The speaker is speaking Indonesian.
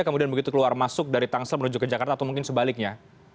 kemudian begitu keluar masuk dari tangsel menuju ke jakarta atau mungkin sebaliknya